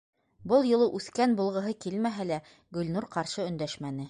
Был юлы «үҫкән» булғыһы килмәһә лә, Гөлнур ҡаршы өндәшмәне.